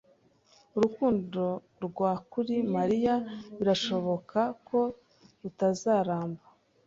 Urukundo rwa kuri Mariya birashoboka ko rutazaramba.